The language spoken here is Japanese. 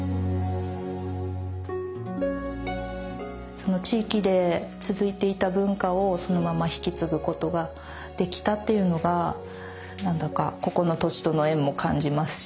その地域で続いていた文化をそのまま引き継ぐことができたっていうのが何だかここの土地との縁も感じますし